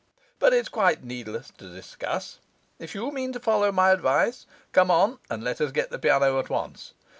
But it's quite needless to discuss. If you mean to follow my advice, come on, and let us get the piano at once.